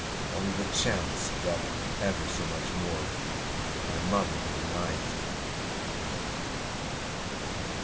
Only the chance of that ever so much more my mother had denied to me."